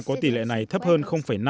có tỷ lệ này thấp hơn năm